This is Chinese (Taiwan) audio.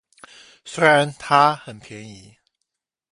雖然他很便宜